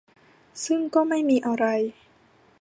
ซึ่งก็ไม่มีอะไร